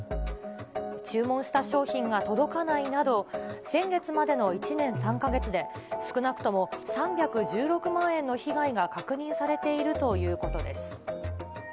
注文した商品が届かないなど、先月までの１年３か月で、少なくとも３１６万円の被害が確認されているということです。